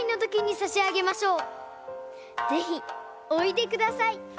ぜひおいでください。